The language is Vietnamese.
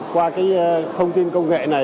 qua cái thông tin công nghệ này